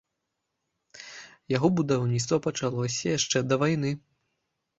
Яго будаўніцтва пачалося яшчэ да войны.